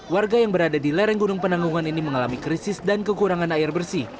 warga yang berada di lereng gunung penanggungan ini mengalami krisis dan kekurangan air bersih